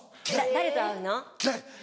「誰と会うの？」。嫌い。